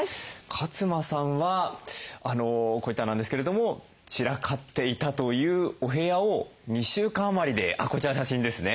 勝間さんはこう言ってはなんですけれども散らかっていたというお部屋を２週間余りでこちらの写真ですね。